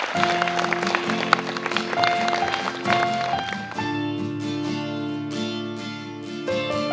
ขอบคุณครับ